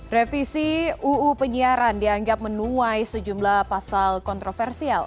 revisi uu penyiaran dianggap menuai sejumlah pasal kontroversial